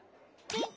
ピン！